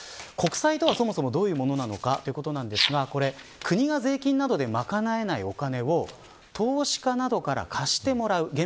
国債とは、そもそもどういうものかということですが国が税金などで賄えないお金を投資家などから貸してもらう。